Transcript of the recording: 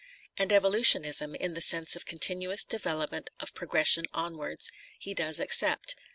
* And evolutionism, in the sense of continuous development of progression onwards, he does accept.